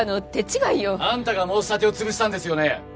あんたが申し立てを潰したんですよね？